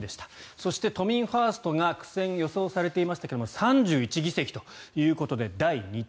そして、都民ファーストが苦戦が予想されていましたが３１議席ということで第２党。